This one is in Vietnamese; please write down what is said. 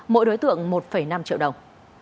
mỗi đối tượng một năm triệu đồng